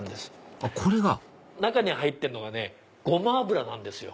あっこれが中に入ってるのがごま油なんですよ。